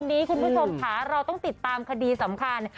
วันนี้คุณผู้ชมค่ะเราต้องติดตามคดีสำคัญ